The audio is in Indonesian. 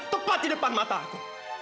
tepat di depan mata aku